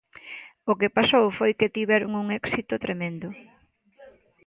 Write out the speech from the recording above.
O que pasou foi que tiveron un éxito tremendo.